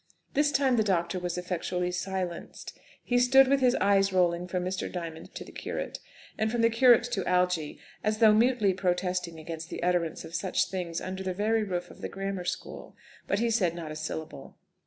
This time the doctor was effectually silenced. He stood with his eyes rolling from Mr. Diamond to the curate, and from the curate to Algy, as though mutely protesting against the utterance of such things under the very roof of the grammar school. But he said not a syllable.